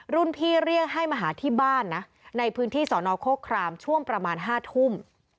รุ่นพี่เรียกให้มาหาที่บ้านนะในพื้นที่สอนอโคครามช่วงประมาณ๕ทุ่ม